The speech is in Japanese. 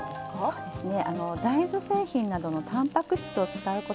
そうですよね。